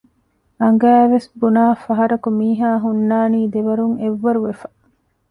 އަނގައިވެސް ބުނާފަހަރަކު މީހާހުންނާނީ ދެވަރުން އެއްވަރު ވެފަ